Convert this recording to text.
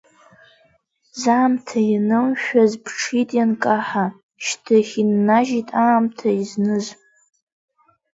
Заамҭа ианымшәаз ԥҽит ианкаҳа, шьҭахь иннажьит аамҭа изныз.